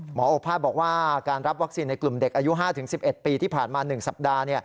โอภาษบอกว่าการรับวัคซีนในกลุ่มเด็กอายุ๕๑๑ปีที่ผ่านมา๑สัปดาห์